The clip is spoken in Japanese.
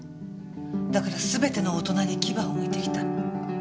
だから全ての大人に牙をむいてきた。